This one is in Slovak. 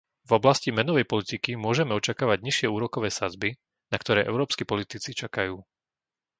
V oblasti menovej politiky môžeme očakávať nižšie úrokové sadzby, na ktoré európski politici čakajú.